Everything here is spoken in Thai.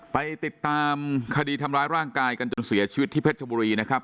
ไปติดตามคดีทำร้ายร่างกายกันจนเสียชีวิตที่เพชรชบุรีนะครับ